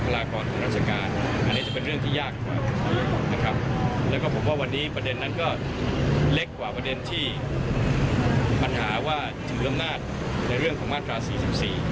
เล็กกว่าประเด็นที่ปัญหาว่าถึงร่ำนาจในเรื่องของมาตรภาษา๔๔